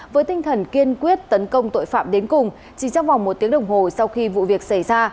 với tinh thần kiên quyết tấn công tội phạm đến cùng chỉ trong vòng một tiếng đồng hồ sau khi vụ việc xảy ra